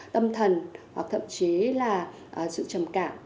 tâm thần hoặc thậm chí là sự trầm cảm